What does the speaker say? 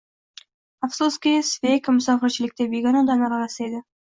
Afsuski, Sveyg musofirchilikda, begona odamlar orasida edi